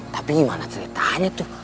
tapi gimana ceritanya tuh